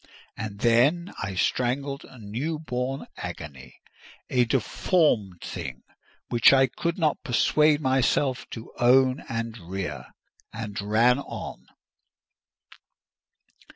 And then I strangled a new born agony—a deformed thing which I could not persuade myself to own and rear—and ran on.